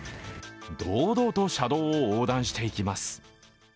堂々と車道を横断していきます。